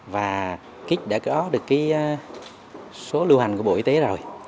và kit đã có được cái số lưu hành của bộ y tế rồi